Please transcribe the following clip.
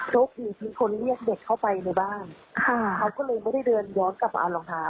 โชคดีมีคนเรียกเด็กเข้าไปในบ้านค่ะเขาก็เลยไม่ได้เดินย้อนกลับมาเอารองเท้า